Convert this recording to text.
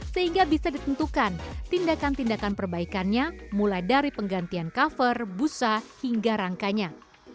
sehingga bisa ditentukan tindakan tindakan perbaikannya mulai dari penggantian cover busa hingga rangkanya